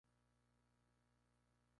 Padre difunto de las tres niñas.